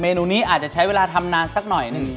นูนี้อาจจะใช้เวลาทำนานสักหน่อยหนึ่ง